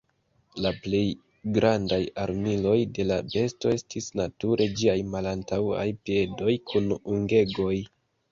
La plej grandaj armiloj de la besto estis nature ĝiaj malantaŭaj piedoj kun ungegoj.